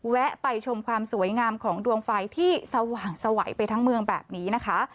แวะไปชมความสวยงามของดวงไฟที่สว่างสวัยไปทั้งเมืองแบบนี้นะคะ